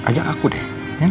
ajak aku deh